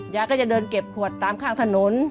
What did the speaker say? ยายก็จะเดินเก็บขวดตามข้างถนน